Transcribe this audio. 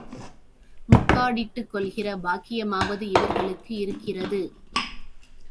முக்காடிட்டுக் கொள்கிற பாக்யமாவது இவர்களுக்கு இருக்கிறது.